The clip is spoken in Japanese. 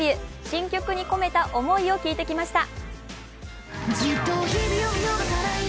新曲に込めた思いを聞いてきました。